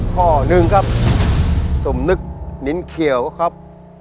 ข้อหนึ่งครับสมนึกนินเขียวครับ